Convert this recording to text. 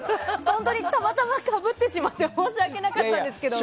本当にたまたまかぶってしまって申し訳なかったんですけど。